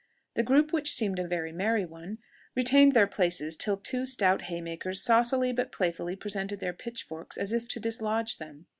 The group which seemed a very merry one, retained their places, till two stout haymakers saucily but playfully presented their pitch forks as if to dislodge them.